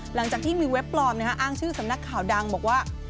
หลังจากที่มีเว็บปลอมอ้างชื่อสำนักข่าวดังบอกว่า